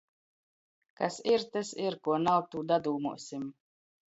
Kas ir – tys ir, kuo nav – tū dadūmuosim!